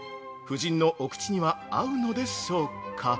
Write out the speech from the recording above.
夫人のお口には合うのでしょうか。